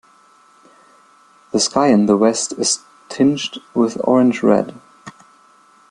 The sky in the west is tinged with orange red.